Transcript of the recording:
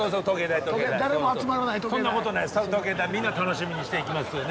みんな楽しみにして行きますよね。